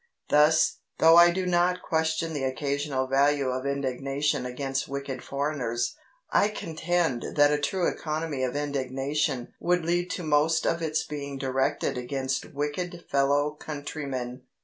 Thus, though I do not question the occasional value of indignation against wicked foreigners, I contend that a true economy of indignation would lead to most of its being directed against wicked fellow countrymen.